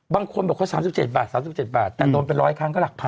บางคนบอกว่า๓๗บาท๓๗บาทแต่โดนเป็นร้อยครั้งก็หลักพัน